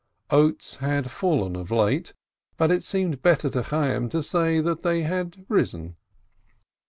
Oats had fallen of late, but it seemed better to Chay yim to say that they had risen.